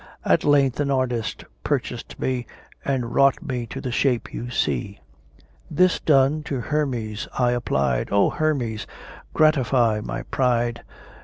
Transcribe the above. At length an artist purchased me, And wrought me to the shape you see. This done, to Hermes I applied: "O Hermes! gratify my pride!